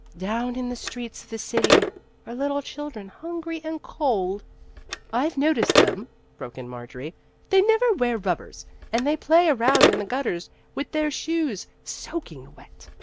" Down in the streets of the city are little children hungry and cold " I Ve noticed them," broke in Marjorie ;" they never wear rubbers, and they play around in the gutters with their shoes soak ing wet.